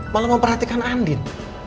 malah memperhatikan anin